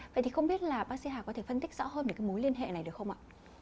vậy thì không biết là bác sĩ hà có thể phân tích rõ hơn về cái mối liên hệ này được không ạ